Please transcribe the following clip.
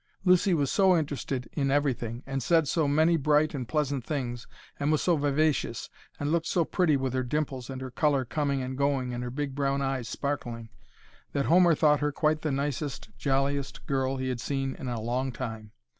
Lucy was so interested in everything, and said so many bright and pleasant things, and was so vivacious, and looked so pretty with her dimples and her color coming and going and her big brown eyes sparkling, that Homer thought her quite the nicest, jolliest girl he had seen in a long time.